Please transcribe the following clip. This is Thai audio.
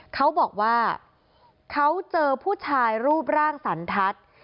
เขาบอกว่าเขาเจอผู้ชายรูปร่างสันทัศน์